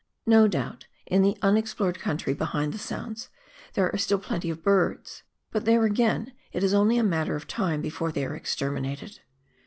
No doubt, in the unexplored country behind the Sounds, there are still plenty of birds ; but there, again, it is only a matter of time before they are exterminated.